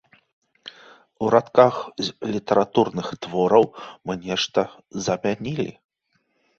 У радках з літаратурных твораў мы нешта замянілі.